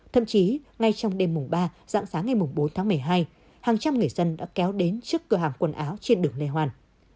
thậm chí ngay trong đêm mùng ba dạng sáng ngày bốn tháng một mươi hai hàng trăm người dân đã kéo đến trước cửa hàng quần áo trên đường lê hoàn